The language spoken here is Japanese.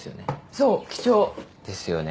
そう貴重ですよね